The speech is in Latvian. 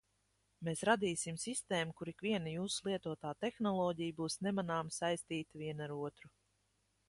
Mēs radīsim sistēmu, kur ikviena jūsu lietotā tehnoloģija būs nemanāmi saistīta viena ar otru.